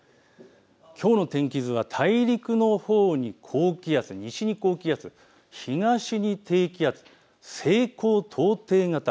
きょうの天気図は大陸のほうに高気圧、西のほうに高気圧、東に低気圧、西高東低型。